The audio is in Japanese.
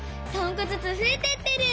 ３こずつふえてってる！